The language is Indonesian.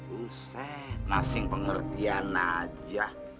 buset masing pengertian aja